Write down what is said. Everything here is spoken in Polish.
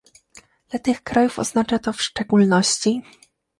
Dla tych krajów oznacza to w szczególności